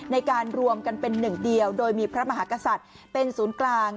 ในการรวมกันเป็นหนึ่งเดียวโดยมีพระมหากษัตริย์เป็นศูนย์กลาง